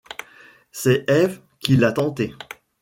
C’est Ève qui l’a tenté.